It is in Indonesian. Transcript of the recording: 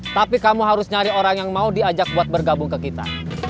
tapi kamu harus nyari orang yang mau diajak buat bergabung ke kita